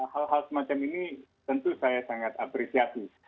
hal hal semacam ini tentu saya sangat apresiasi